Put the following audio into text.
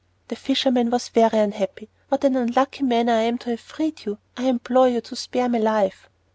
The fisherman was very unhappy. "What an unlucky man I am to have freed you! I implore you to spare my life."